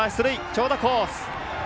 長打コース。